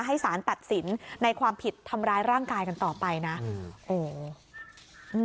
สารตัดสินในความผิดทำร้ายร่างกายกันต่อไปนะอืมโอ้โห